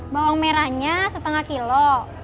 bawang merahnya setengah kilo